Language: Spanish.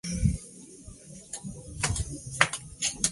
Chema Conesa trabajaba sobre todo en ellos.